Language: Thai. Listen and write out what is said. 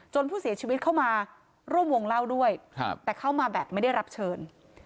ผู้เสียชีวิตเข้ามาร่วมวงเล่าด้วยแต่เข้ามาแบบไม่ได้รับเชิญ